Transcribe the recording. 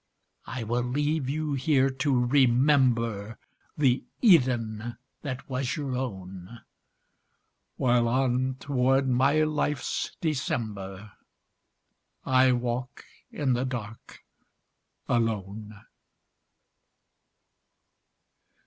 I will leave you here to remember The Eden that was your own, While on toward my life's December I walk in the dark alone.